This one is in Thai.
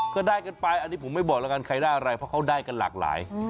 ก็ได้กันไปอันนี้ผมไม่บอกแล้วกันใครได้อะไรเพราะเขาได้กันหลากหลาย